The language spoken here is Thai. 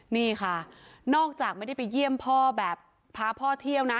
นี่ค่ะนอกจากไม่ได้ไปเยี่ยมพ่อแบบพาพ่อเที่ยวนะ